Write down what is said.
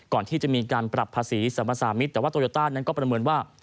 ก่อนที่จะมีการปรับภาษีสรรพสามิตรแต่ว่าโตโยต้านั้นก็ประเมินว่า